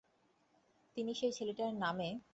তিনি সেই ছেলেটার নামে নালিশ করবার হুকুম দিয়েছেন।